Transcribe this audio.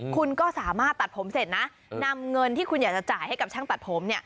คุณก็สามารถตัดผมเสร็จนะนำเงินที่คุณอยากจะจ่ายให้กับช่างตัดผมเนี่ย